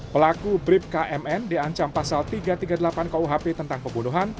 pelaku brib kmn diancam pasal tiga ratus tiga puluh delapan kuhp tentang pembunuhan